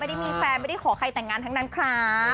ไม่ได้มีแฟนไม่ได้ขอใครแต่งงานทั้งนั้นครับ